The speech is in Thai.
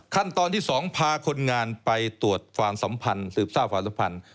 ขั้นตอนที่๒พาคนงานไปตรวจความสัมพันธ์สืบทราบความสัมพันธ์